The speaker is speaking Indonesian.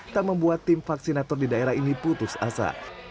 tak membuat tim vaksinator di daerah ini putus asa